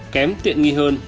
kém tiện nghi hơn